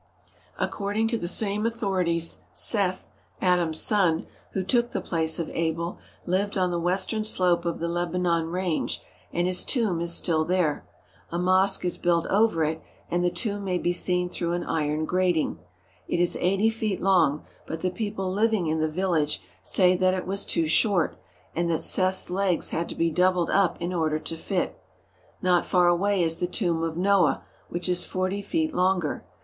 246 ACROSS THE LEBANON MOUNTAINS According to the same authorities, Seth, Adam's son, who took the place of Abel, lived on the western slope of the Lebanon range, and his tomb is still there. A mosque is built over it and the tomb may be seen through an iron grating. It is eighty feet long, but the people living in the village say that it was too short and that Seth's legs had to be doubled up in order to fit. Not far away is the tomb of Noah, which is forty feet longer.